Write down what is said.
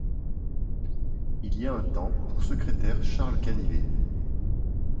Il a un temps pour secrétaire Charles Canivet.